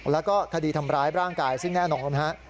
แล้วก็คดีทำร้ายร่างกายซึ่งแน่นอนนะฮะ